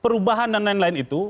perubahan dan lain lain itu